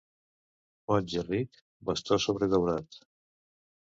Boig i ric, bastó sobredaurat.